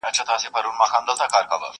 o د بارانه ولاړې، تر ناوې لاندي کښېنستې٫